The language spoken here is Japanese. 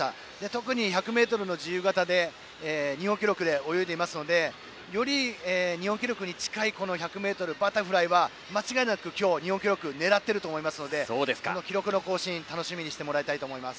特に１００ｍ自由形で日本記録で泳いでいますのでより日本記録に近い１００ｍバタフライは間違いなく今日、日本記録を狙っていると思いますので記録更新楽しみにしてもらいたいと思います。